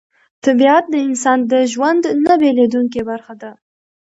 طبیعت د انسان د ژوند نه بېلېدونکې برخه ده